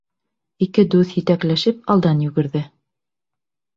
Ике дуҫ етәкләшеп алдан йүгерҙе.